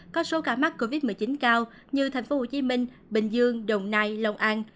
có số ca mắc covid một mươi chín cao như tp hcm bình dương đồng nai lòng an